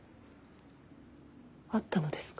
会ったのですか？